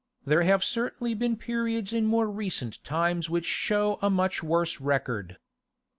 There have certainly been periods in more recent times which show a much worse record.